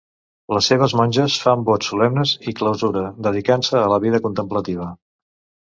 Les seves monges fan vots solemnes i clausura, dedicant-se a la vida contemplativa.